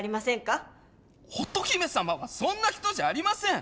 乙姫様はそんな人じゃありません。